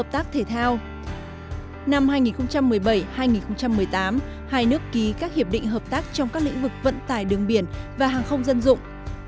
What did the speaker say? năm hai nghìn một mươi bảy hai nghìn một mươi tám hai nước ký các hiệp định hợp tác trong các lĩnh vực vận tải đường biển và hàng không dân dụng